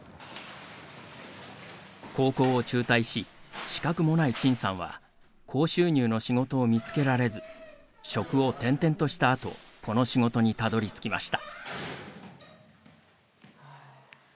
高校を中退し資格もない陳さんは高収入の仕事を見つけられず職を転々としたあとこの仕事にたどりつきました。